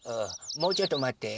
もうちょっとまって。